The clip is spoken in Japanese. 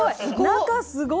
中すごっ！